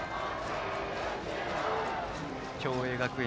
共栄学園